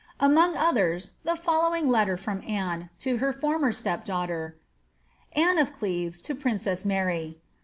^ Among others, the following letter from Anne to her former step daughter :— AirxB of Clktxb to Pbikcsbs Mabt.